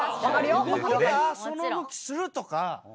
動きが「その動きする！」とか。